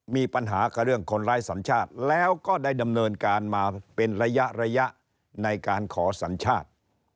มีปัญหากับเรื่องคนร้ายสัญชาติแล้วก็ได้ดำเนินการมาเป็นระยะระยะในการขอสัญชาติ